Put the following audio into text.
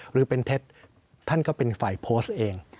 หรือเป็นเท็จท่านก็เป็นฝ่ายโพสต์เอง